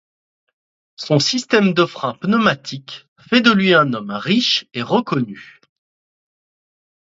Son système de frein pneumatique fait de lui un homme riche et reconnu.